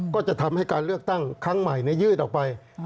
ก็จะทำให้การเลือกตั้งครั้งใหม่ยืดออกไป